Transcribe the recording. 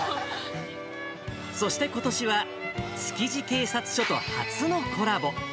そしてことしは、築地警察署と初のコラボ。